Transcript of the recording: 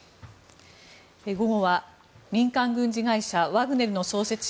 午後は民間軍事会社ワグネルの創設者